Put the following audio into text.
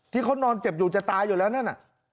ที่เขานอนเจ็บอยู่จะตายอยู่แล้วนั่นน่ะ